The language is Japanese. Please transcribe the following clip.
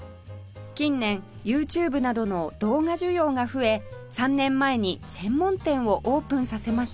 近年 ＹｏｕＴｕｂｅ などの動画需要が増え３年前に専門店をオープンさせました